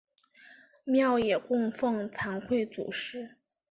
庙也供俸惭愧祖师。